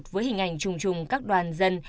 với hình ảnh trùng trùng các đoàn dân